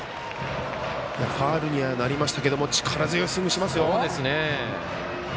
ファウルにはなりましたが力強いスイングしてますよ。